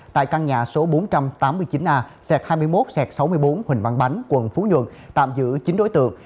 tại căn nhà số bốn trăm tám mươi chín a xẹt hai mươi một st sáu mươi bốn huỳnh văn bánh quận phú nhuận tạm giữ chín đối tượng